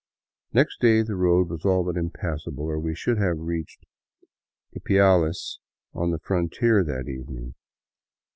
Next day the road was all but impassable, or we should have reached Iplales on the frontier that evening.